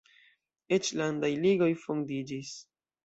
Eĉ landaj ligoj fondiĝis.